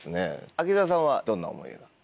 秋澤さんはどんな思い出が？